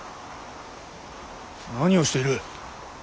何をしている。